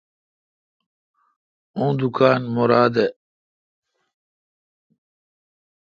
اوں دکان مراد اے°